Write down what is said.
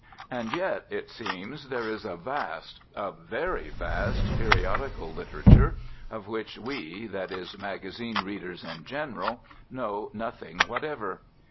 And yet, it seems, there is a vast, a very vast, periodical literature of which we, that is, magazine readers in general, know nothing whatever.